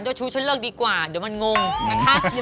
ชู้ฉันเลิกดีกว่าเดี๋ยวมันงงนะคะ